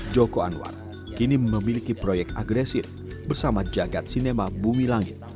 joko anwar kini memiliki proyek agresif bersama jagad sinema bumi langit